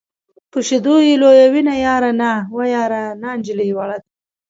په شیدو یې لویوینه یاره نا وه یاره نا نجلۍ وړه ده.